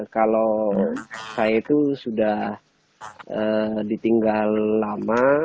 kalau saya itu sudah ditinggal lama